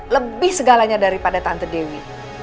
lebih segalanya daripada tante dewi